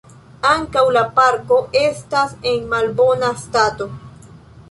Ankaŭ la parko estas en malbona stato.